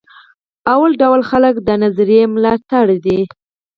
اول ډول خلک د نظریې ملاتړ دي.